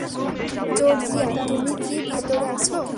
Georgia, তুমি কি ভেতরে আছো?